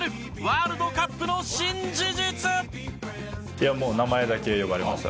いやもう名前だけ呼ばれました。